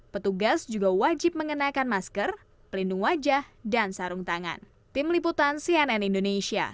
petugas juga wajib mengenakan masker pelindung wajah dan sarung tangan